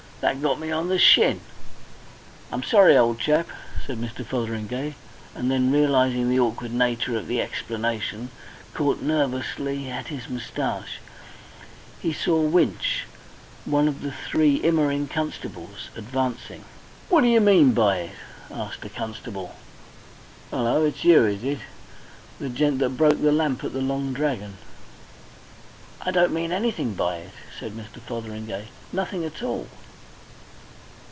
"That got me on the shin." "I'm sorry, old chap," said Mr. Fotheringay, and then, realising the awkward nature of the explanation, caught nervously at his moustache. He saw Winch, one of the three Immering constables, advancing. "What d'yer mean by it?" asked the constable. "Hullo! it's you, is it? The gent that broke the lamp at the Long Dragon!" "I don't mean anything by it," said Mr. Fotheringay. "Nothing at all."